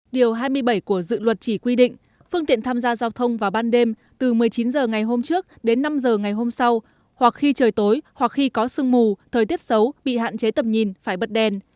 điều hai mươi bảy của dự luật chỉ quy định phương tiện tham gia giao thông vào ban đêm từ một mươi chín h ngày hôm trước đến năm h ngày hôm sau hoặc khi trời tối hoặc khi có sương mù thời tiết xấu bị hạn chế tầm nhìn phải bật đèn